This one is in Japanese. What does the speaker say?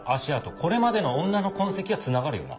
これまでの女の痕跡はつながるよな。